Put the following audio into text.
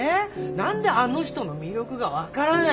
何であの人の魅力が分からない。